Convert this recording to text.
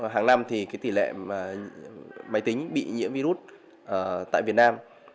hàng năm thì tỷ lệ máy tính bị nhiễm virus tại việt nam